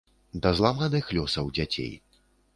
Да зламаных лёсаў дзяцей.